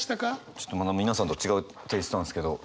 ちょっとまた皆さんと違うテーストなんですけど。